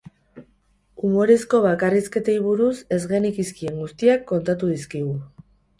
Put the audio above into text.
Umorezko bakarrizketei buruz ez genekizkien guztiak kontatu dizkigu.